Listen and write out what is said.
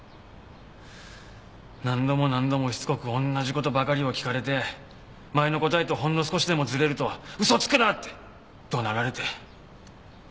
何度も何度もしつこくおんなじことばかりを聞かれて前の答えとほんの少しでもずれると「嘘つくな！」って怒鳴られて。